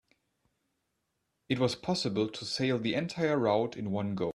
It was possible to sail the entire route in one go.